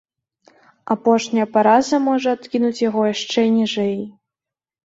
Апошняя параза можа адкінуць яго яшчэ ніжэй.